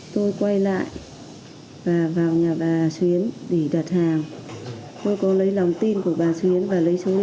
tôi quay lại và vào nhà bà